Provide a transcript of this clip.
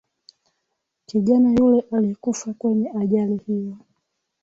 kijana yule alikufa kwenye ajali hiyo